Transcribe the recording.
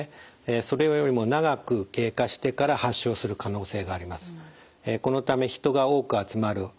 それよりも長く経過してから発症する可能性があります。